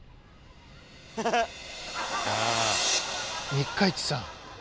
三日市さん。